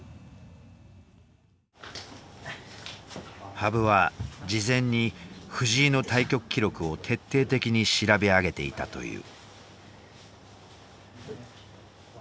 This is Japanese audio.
羽生は事前に藤井の対局記録を徹底的に調べ上げていたという。